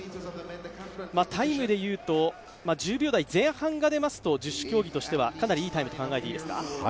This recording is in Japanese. タイムでいうと、１０秒台前半が出ますと十種競技としてはかなりいいタイムと考えていいですか？